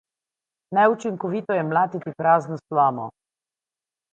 Neučinkovito je mlatiti prazno slamo.